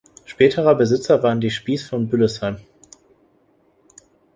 Späterer Besitzer waren die Spies von Büllesheim.